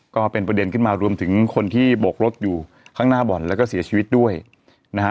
ก็เป็นประเด็นขึ้นมารวมถึงคนที่โบกรถอยู่ข้างหน้าบ่อนแล้วก็เสียชีวิตด้วยนะฮะ